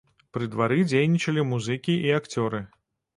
Пры двары дзейнічалі музыкі і акцёры.